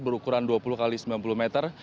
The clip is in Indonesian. berukuran dua puluh x sembilan puluh meter